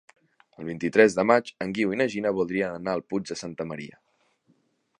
El vint-i-tres de maig en Guiu i na Gina voldrien anar al Puig de Santa Maria.